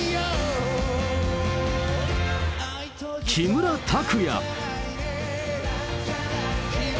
木村拓哉。